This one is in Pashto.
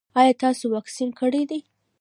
ایا تاسو واکسین کړی دی؟